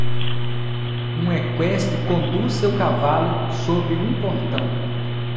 Um equestre conduz seu cavalo sobre um portão.